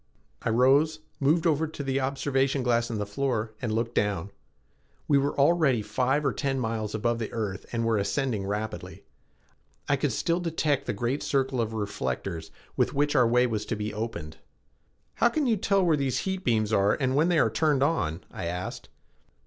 I rose, moved over to the observation glass in the floor, and looked down. We were already five or ten miles above the earth and were ascending rapidly. I could still detect the great circle of reflectors with which our way was to be opened. "How can you tell where these heat beams are when they are turned on?" I asked.